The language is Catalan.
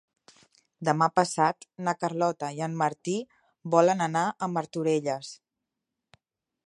Demà passat na Carlota i en Martí volen anar a Martorelles.